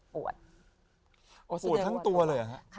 อ๋อปวดทั้งตัวเลยอะคะ